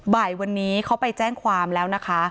บ่ายวันนี้เขาไปแจ้งความแล้วนะคะ